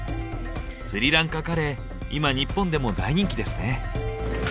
スリランカカレー今日本でも大人気ですね。